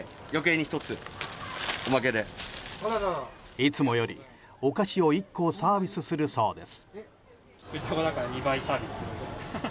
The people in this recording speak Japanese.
いつもよりお菓子を１個サービスするそうです。